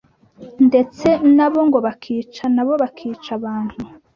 ndetse na bo ngo bakica nabo bakica abantu